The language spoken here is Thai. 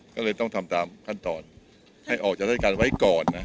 ก็เลยต้องทำตามขั้นตอนให้ออกจากราชการไว้ก่อนนะ